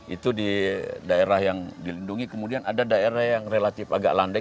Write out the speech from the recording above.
itu di daerah yang dilindungi kemudian ada daerah yang relatif agak landai